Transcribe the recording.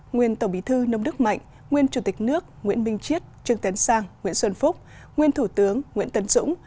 nguyên tổng bí thư nông đức mạnh nguyên chủ tịch nước nguyễn minh chiết trương tấn sang nguyễn xuân phúc nguyên thủ tướng nguyễn tấn dũng